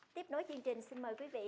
tiếp nối chương trình xin mời quý vị